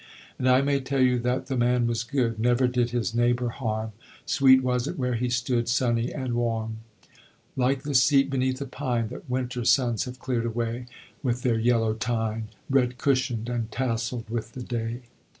And I may tell you that the Man was good, Never did his neighbor harm, Sweet was it where he stood, Sunny and warm; Like the seat beneath a pine That winter suns have cleared away With their yellow tine, Red cushioned and tasseled with the day."